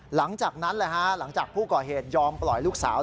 หลังจากนั้นหลังจากผู้ก่อเหตุยอมปล่อยลูกสาว